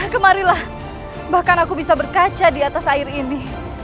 kemarilah bahkan aku bisa berkaca di atas air ini